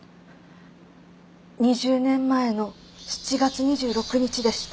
２０年前の７月２６日でした。